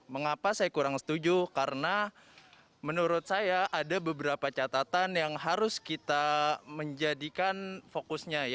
mengapa saya kurang setuju karena menurut saya ada beberapa catatan yang harus kita menjadikan fokusnya